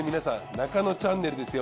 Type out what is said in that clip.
『ナカノチャンネル』ですよ。